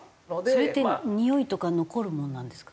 それってにおいとか残るものなんですか？